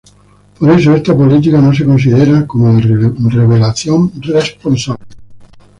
Por eso esta política no se considera como de revelación responsable.